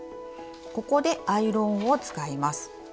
ここでアイロンを使います。